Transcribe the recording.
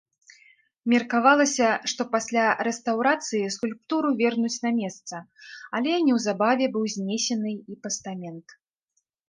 Меркавалася, што пасля рэстаўрацыі скульптуру вернуць на месца, але неўзабаве быў знесены і пастамент.